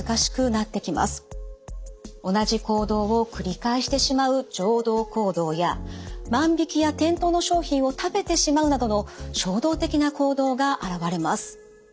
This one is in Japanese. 同じ行動を繰り返してしまう常同行動や万引きや店頭の商品を食べてしまうなどの衝動的な行動が現れます。